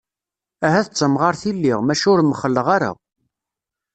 Ahat d tamɣart i lliɣ, maca ur mxelleɣ ara.